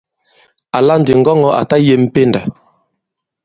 Àla ndi ŋgɔŋɔ̄ à ta yem pendà.